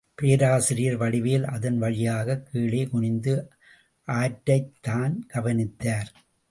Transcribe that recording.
பேராசிரியர் வடிவேல் அதன் வழியாகக் கீழே குனிந்து ஆற்றைத்தான் கவனித்தார்.